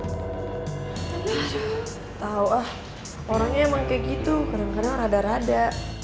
tahu ah orangnya emang kayak gitu kadang kadang rada rada